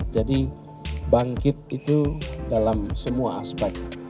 jadi bangkit itu dalam semua aspek